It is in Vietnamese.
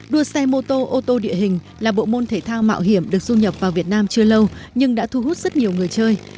đua xe mô tô ô tô địa hình là bộ môn thể thao mạo hiểm được du nhập vào việt nam chưa lâu nhưng đã thu hút rất nhiều người chơi